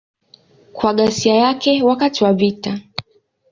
Kwa ghasia yake wakati wa vita.